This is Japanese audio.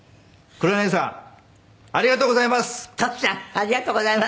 トシちゃんありがとうございます。